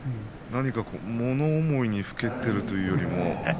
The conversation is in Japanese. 何か物思いにふけっているというか。